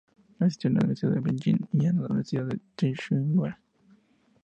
Asistió a la Universidad de Beijing y a la Universidad de Tsinghua.